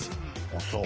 あっそう。